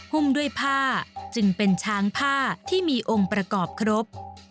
หุ้มด้วยผ้าจึงเป็นช้างผ้าที่มีองค์ประกอบครบ